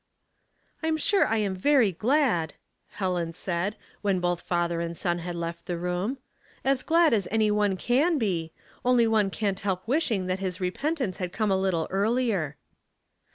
" I'm sure I'm very glad," Helen said, when both father and son had left the room. "As glad as any one can be, — only one can't help wishing that his repentance had come a little earlier."